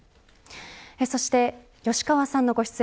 そして吉川さんのご出演